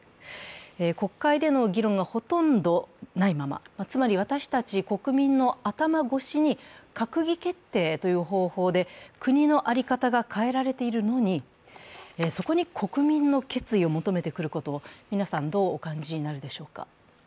国会での議論がほとんどないまま、つまり私たち国民の頭越しに閣議決定という方法で国の在り方が変えられているのにそこに国民の決意を求めてくることを皆さんどうお感じになるでしょうか？